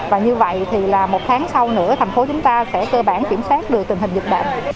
và như vậy thì là một tháng sau nữa thành phố chúng ta sẽ cơ bản kiểm soát được tình hình dịch bệnh